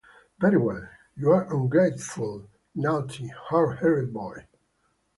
Very well, you ungrateful, naughty, hard-hearted boy!